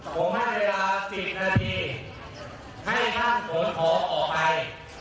ผมให้เวลา๔นาทีให้ท่านขนของออกไป